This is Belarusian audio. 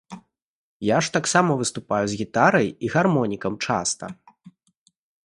Я ж таксама выступаю з гітарай і гармонікам часта.